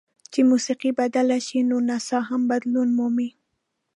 چې موسیقي بدله شي نو نڅا هم بدلون مومي.